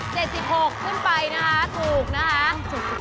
ถ้า๗๖ขึ้นไปนะคะถูกนะคะ